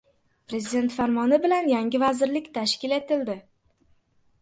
Prezident farmoni bilan yangi vazirlik tashkil etildi